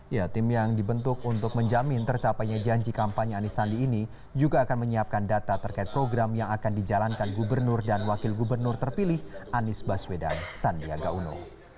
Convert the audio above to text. ya tim yang dibentuk untuk menjamin tercapainya janji kampanye anies sandi ini juga akan menyiapkan data terkait program yang akan dijalankan gubernur dan wakil gubernur terpilih anies baswedan sandiaga uno